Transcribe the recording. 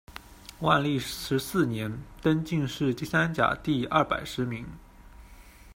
万历十四年，登进士第三甲第二百十名。